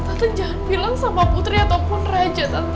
tante jangan bilang sama putri ataupun raja tante